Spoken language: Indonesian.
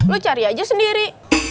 lo cari aja sendiri